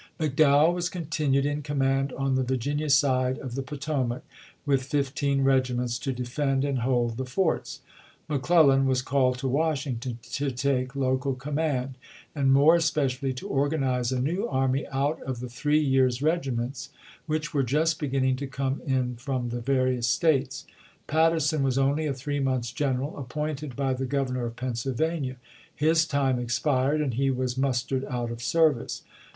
McDowell was continued in command on the Vir ginia side of the Potomac, with fifteen regiments to defend and hold the forts. McClellan was called to Washington to take local command, and more especially to organize a new army out of the three years' regiments which were just beginning to come in from the various States. Patterson was only a three months' general, appointed by the Governor of Pennsylvania; his time expired, and he was mustered out of service.